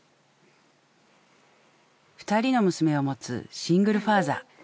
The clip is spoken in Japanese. ２人の娘を持つシングルファーザー。